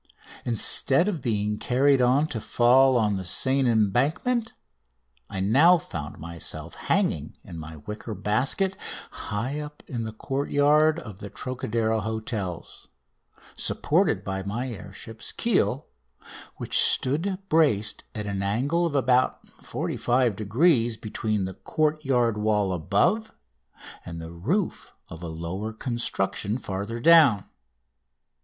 Instead of being carried on to fall on the Seine embankment I now found myself hanging in my wicker basket high up in the courtyard of the Trocadero hotels, supported by my air ship's keel, which stood braced at an angle of about 45 degrees between the courtyard wall above and the roof of a lower construction farther down.